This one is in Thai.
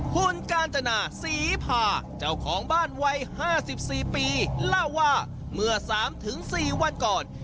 คุณกาญจนาศรีพาเจ้าของบ้านวัย๕๔ปีเล่าว่าเมื่อ๓๔วันก่อน